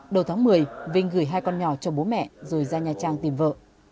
đầu tháng một mươi vinh gửi hai con nhỏ cho bố mẹ rồi ra nhà trang tìm vợ